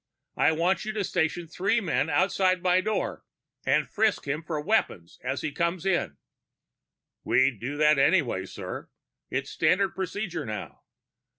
I want you to station three men outside my door and frisk him for weapons as he comes in." "We'd do that anyway, sir. It's standard procedure now."